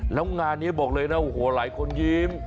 แล้วงานนี้บอกเลยนะโอ้โหหลายคนยิ้ม